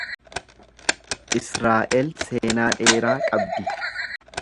Israa’el seenaa dheeraa qabdi.